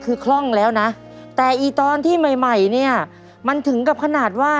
คือคล่องแล้วนะแต่อีตอนที่ใหม่ใหม่เนี่ยมันถึงกับขนาดว่า